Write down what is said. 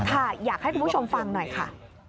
อยากให้คุณผู้ชมฟังหน่อยค่ะ